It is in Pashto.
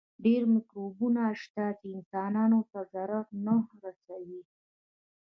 ډېر مکروبونه شته چې انسانانو ته ضرر نه رسوي.